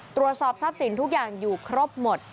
ตรวจสอบทรัพย์สินทุกอย่างอยู่ครบหมด